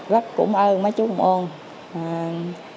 rất cảm ơn mấy chú công an